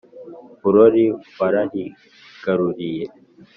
Burori warahigaruriye